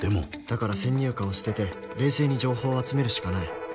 だから先入観を捨てて冷静に情報を集めるしかない